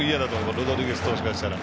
ロドリゲス投手からしたら。